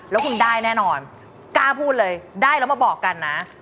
แล้วคุณได้แน่นอนกล้าพูดเลยได้แล้วมาบอกกันนะ